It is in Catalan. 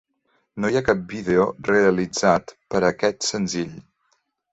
No hi ha cap vídeo realitzat per a aquest senzill.